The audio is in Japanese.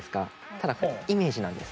ただイメージなんです。